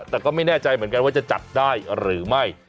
แต่ก็ไม่แน่ใจเหมือนกันว่าจะจัดได้หรือไม่